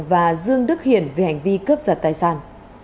và dương đức hiển về hành vi cướp giật tài sản